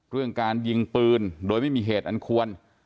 เรื่องการยิงปืนโดยไม่มีเหตุอันควร